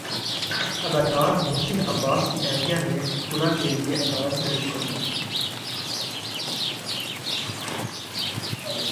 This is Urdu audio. اداکار محسن عباس کی اہلیہ نے خلع کے لیے عدالت سےرجوع کر لیا